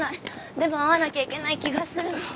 でも会わなきゃいけない気がするの。